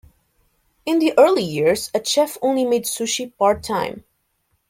In the early years, a chef only made sushi part-time.